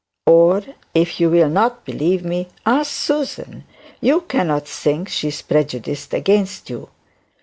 'Or if you will not believe me, ask Susan; you cannot think she is prejudiced against you.